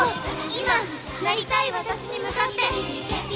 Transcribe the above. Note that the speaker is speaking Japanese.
今なりたい私に向かって！